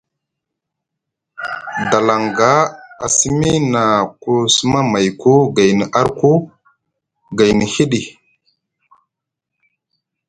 Dalaŋga a simi na ku suma mayku gayni arku gayni hiɗi.